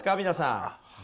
皆さん。